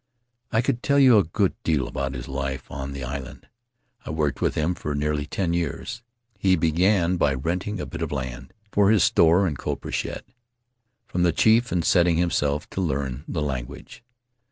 "I could tell you a good deal about his life on the island — I worked with him for nearly ten years. He began by renting a bit of land — for his store and copra shed — from the chief and setting himself to learn the language.